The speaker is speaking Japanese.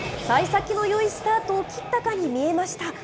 さい先のよいスタートを切ったかに見えました。